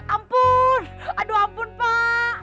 ampun aduh ampun pak